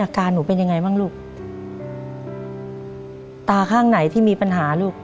การหนูเป็นยังไงบ้างลูกตาข้างไหนที่มีปัญหาลูก